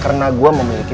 karena gue memiliki